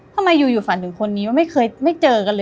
ทำไมอยู่ฝันถึงคนนี้ว่าไม่เคยไม่เจอกันเลย